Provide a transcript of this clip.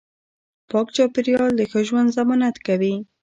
پاک چاپیریال د ښه ژوند ضمانت کوي